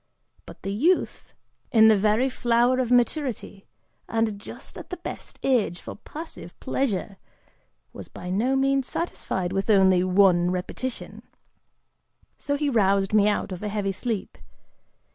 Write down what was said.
But the youth, in the very flower of maturity, and just at the best age for passive pleasure, was by no means satisfied with only one repetition, so he roused me out of a heavy sleep.